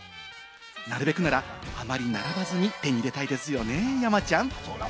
なるべくならあまり並ばずに手に入れたいですよね、山ちゃん。